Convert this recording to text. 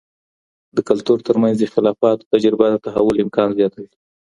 د کلتور ترمنځ د اختلافاتو تجربه د تحول امکان زیاتوي.